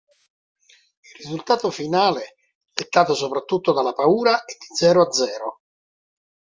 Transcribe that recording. Il risultato finale, dettato soprattutto dalla paura, è di zero a zero.